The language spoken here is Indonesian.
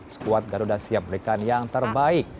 skuad garuda siap berikan yang terbaik